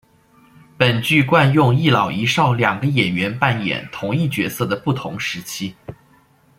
本剧惯用一老一少两个演员扮演同一个角色的不同时期。